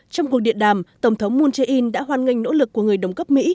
trong cuộc điện đàm tổng thống moon jae in đã hoan nghênh nỗ lực của người đồng cấp mỹ